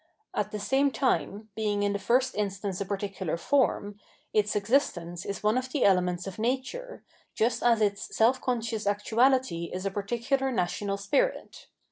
At the same time, being in the first instance a particular form, its existence is one of the elements of nature, just as its self conscious actuahty is a par ticular national spirit.!